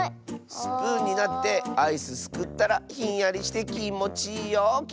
スプーンになってアイスすくったらひんやりしてきもちいいよきっと。